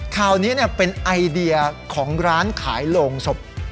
ข่าวนี้เนี่ยเป็นไอเดียของร้านขายโลงศพ